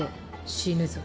死ぬぞ。